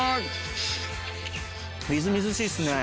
みずみずしいっすね。